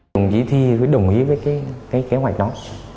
đồng chí thi mới đồng ý với cái kế hoạch đó